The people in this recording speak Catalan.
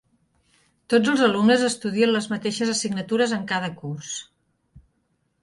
Tots els alumnes estudien les mateixes assignatures en cada curs.